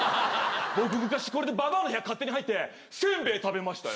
僕昔これでばばあの部屋勝手に入って煎餅食べましたよ